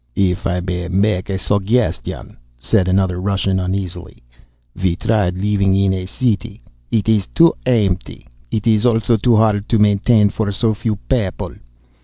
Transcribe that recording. "If I may make a suggestion," said another Russian uneasily. "We tried living in a city. It is too empty. It is also too hard to maintain for so few people.